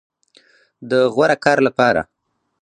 د غوره کار لپاره